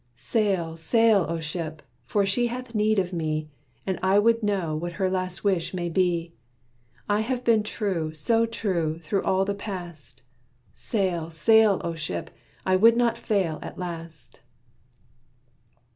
Sail, sail, O, ship! for she hath need of me, And I would know what her last wish may be! I have been true, so true, through all the past, Sail, sail, O, ship! I would not fail at last."